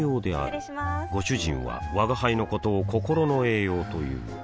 失礼しまーすご主人は吾輩のことを心の栄養という